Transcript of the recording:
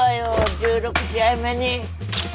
１６試合目に。